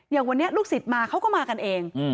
อย่างวันนี้ลูกศิษย์มาเขาก็มากันเอง